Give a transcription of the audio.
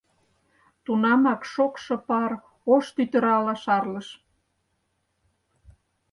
Тунамак шокшо пар ош тӱтырала шарлыш.